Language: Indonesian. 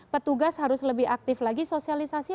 petugas harus lebih aktif lagi sosialisasi